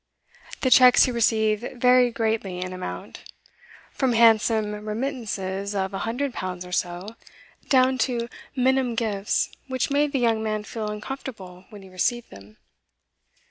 The cheques he received varied greatly in amount, from handsome remittances of a hundred pounds or so, down to minim gifts which made the young man feel uncomfortable when he received them.